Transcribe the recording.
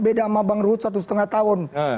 beda sama bang ruth satu lima tahun